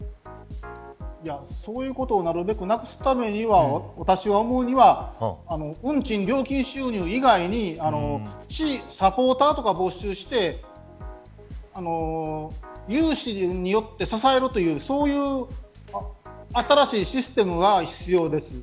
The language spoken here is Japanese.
そういうことをなるべくなくすためには私が思うには運賃料金収入以外にサポーターとかを募集して有志によって支えるというそういう新しいシステムが必要です。